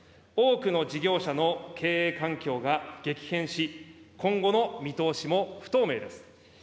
多くの事業者の経営環境が激変し、今後の見通しも不透明です。